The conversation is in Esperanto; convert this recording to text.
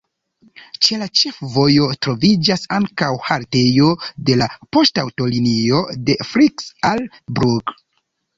Ĉe la ĉefvojo troviĝas ankaŭ haltejo de la poŝtaŭtolinio de Frick al Brugg.